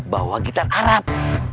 bawa gitar arab